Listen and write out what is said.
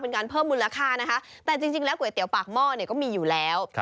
เป็นการเพิ่มมูลราคาแต่จริงก๋วยเตี๋ยวปากหม้อก็มีอยู่แล้ว